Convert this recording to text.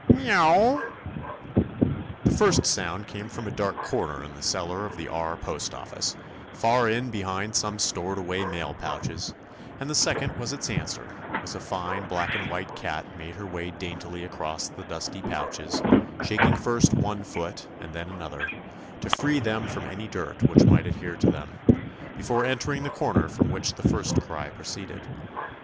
Mr r r wowl" The first sound came from a dark corner in the cellar of the R post office, far in behind some stored away mail pouches, and the second was its answer, as a fine black and white cat made her way daintily across the dusty pouches, shaking first one foot and then another, to free them from any dirt which might adhere to them, 17 THE ADVENTURES OF before entering the corner from which the first cry proceeded.